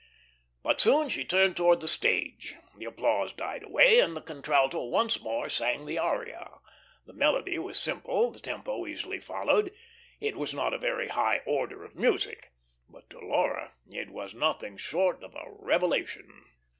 But soon she turned towards the stage. The applause died away, and the contralto once more sang the aria. The melody was simple, the tempo easily followed; it was not a very high order of music. But to Laura it was nothing short of a revelation.